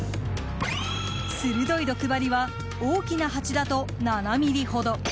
鋭い毒針は大きなハチだと７ｍｍほど。